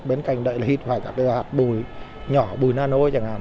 bên cạnh đấy là hít hoài các hạt bụi nhỏ bụi nano chẳng hạn